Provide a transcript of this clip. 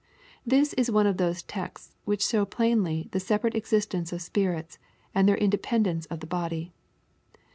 '] This is one of those texts which show plainly the separate existence of spirits, and their indepen dence of the body.